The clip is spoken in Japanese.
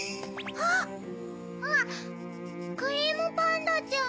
あっクリームパンダちゃん。